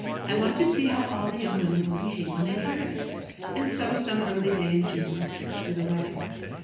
I want to see how all the young women will behave when they hear of it." And so some early day in June was fixed for the wedding.